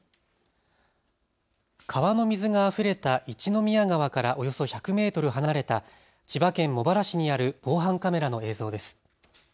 川の水があふれた一宮川からおよそ１００メートル離れた千葉県茂原市にある防犯カメラの映像です。